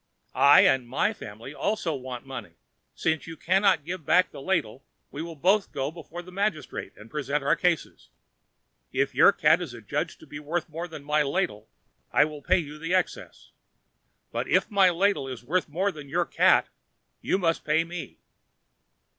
I and my family also want money. Since you cannot give back the ladle, we will both go before the magistrate and present our cases. If your cat is adjudged to be worth more than my ladle, I will pay you the excess; and if my ladle be worth more than your cat, then you must pay me."